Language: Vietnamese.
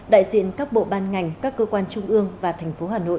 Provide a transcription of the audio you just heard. đại diện các bộ ban ngành các cơ quan trung ương và thành phố hà nội